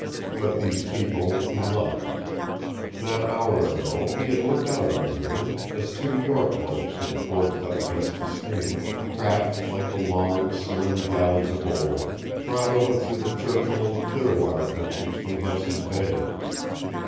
But these people he loved. That hour ago he had looked out on the river as two York boats had forged up against the stream, craft like the long, slim galleys of old, brought over through the Churchill and Clearwater countries from Hudson's Bay.